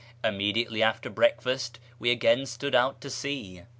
Immediately after breakfast we again stood out to sea.